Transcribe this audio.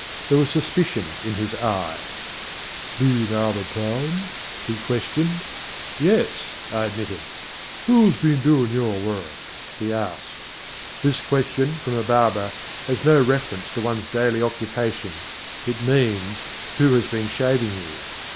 There was suspicion in his eye. "Been out of town?" he questioned. "Yes," I admitted. "Who's been doing your work?" he asked. This question, from a barber, has no reference to one's daily occupation. It means "who has been shaving you."